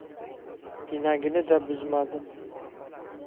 pinagini-da buzmadi.